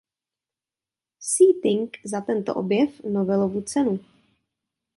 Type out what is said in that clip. C. Ting za tento objev Nobelovu cenu.